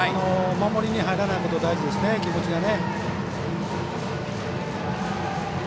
楠本君が守りに、入らないことが大事ですね、気持ちがね。